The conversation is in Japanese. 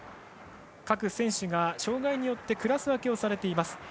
各選手が障がいによってクラス分けをされています。